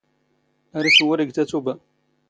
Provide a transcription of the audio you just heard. ⴰⵔ ⵉⵙⵡⵓⵔⵉ ⴳ ⵜⴰⵜⵓⴱⴰ.